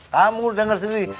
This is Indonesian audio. kamu denger sendiri